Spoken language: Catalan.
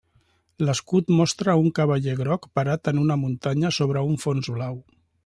L'escut mostra un cavaller groc parat en una muntanya sobre un fons blau.